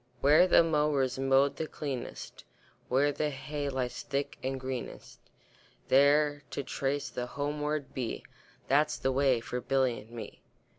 Where the mowers mow the cleanest, Where the hay lies thick and greenest, There to trace the homeward bee, That's the way for Billy and me.